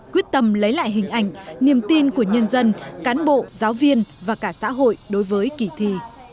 quyết tâm lấy lại hình ảnh niềm tin của nhân dân cán bộ giáo viên và cả xã hội đối với kỳ thi